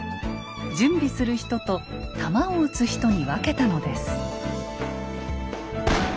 準備する人と弾を撃つ人に分けたのです。